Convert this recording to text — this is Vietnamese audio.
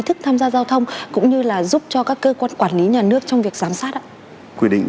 thức tham gia giao thông cũng như là giúp cho các cơ quan quản lý nhà nước trong việc giám sát quy định